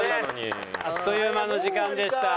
あっという間の時間でした。